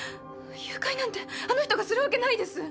誘拐なんてあの人がするわけないです！